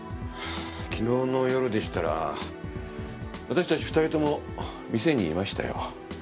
昨日の夜でしたら私たち２人とも店にいましたよ。